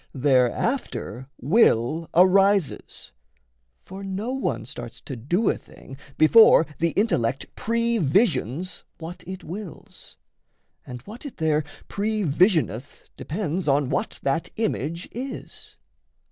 Thereafter will arises; For no one starts to do a thing, before The intellect previsions what it wills; And what it there pre visioneth depends On what that image is.